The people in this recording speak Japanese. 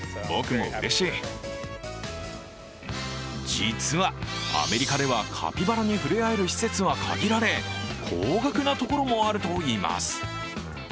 実はアメリカではカピバラに触れ合える施設は限られ高額なところもあるといいます。